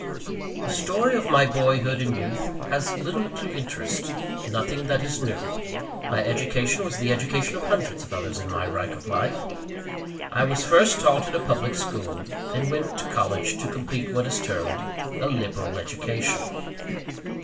The story of my boyhood and youth has little to interest nothing that is new. My education was the education of hundreds of others in my rank of life. I was first taught at a public school, and then went to college to complete what is termed "a liberal education."